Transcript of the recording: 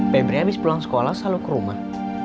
pemri abis pulang sekolah selalu ke rumah